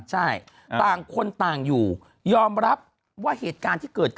ใช่ต่างคนต่างอยู่ยอมรับว่าเหตุการณ์ที่เกิดขึ้น